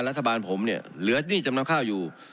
รัฐบาลผมเนี่ยเหลือหนี้จำนำข้าวอยู่